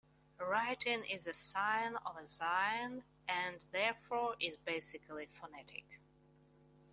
Writing is a "sign of a sign" and, therefore, is basically phonetic.